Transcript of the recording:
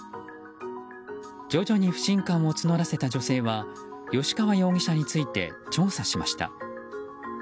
徐々に不信感を募らせた女性は吉川容疑者について調査しました。